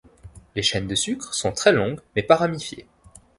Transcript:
Les chaînes de sucres sont très longues mais pas ramifiées.